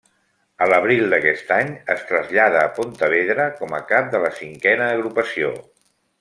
A l'abril d'aquest any es trasllada a Pontevedra com cap de la Cinquena Agrupació.